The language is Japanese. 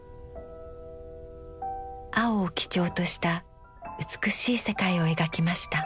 青を基調とした美しい世界を描きました。